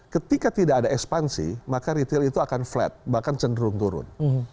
ketika tidak ada ekspansi maka retail itu akan flat bahkan cenderung turun